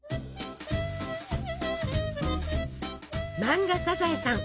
漫画「サザエさん」。